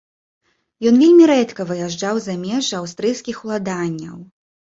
Ён вельмі рэдка выязджаў за межы аўстрыйскіх уладанняў.